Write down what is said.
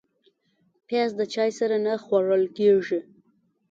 پیاز د چای سره نه خوړل کېږي